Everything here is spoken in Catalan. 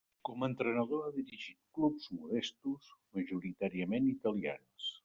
Com a entrenador ha dirigit clubs modestos, majoritàriament italians.